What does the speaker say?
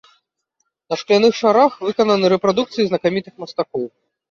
На шкляных шарах выкананы рэпрадукцыі знакамітых мастакоў.